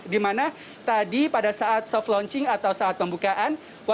dimana tadi pada saat soft launching atau saat pembukaan